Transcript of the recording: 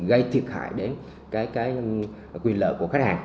gây thiệt hại đến quyền lợi của khách hàng